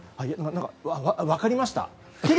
分かりました。